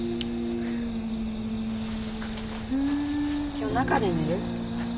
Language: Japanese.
今日中で寝る？